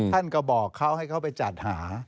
ท่านก็บอกเขาให้เขาไปจัดหา